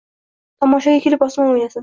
Tomoshaga kelib, osmon o’ynasin.